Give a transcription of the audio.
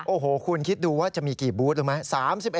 โอ้โหคุณคิดดูว่าจะมีกี่บูธรู้ไหม